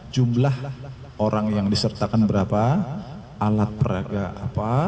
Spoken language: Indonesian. jumlah orang yang disertakan berapa alat peraga apa